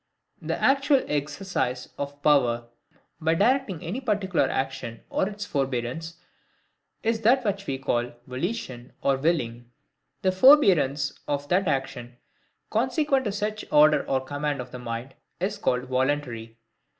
The actual exercise of that power, by directing any particular action, or its forbearance, is that which we call VOLITION or WILLING. The forbearance of that action, consequent to such order or command of the mind, is called VOLUNTARY.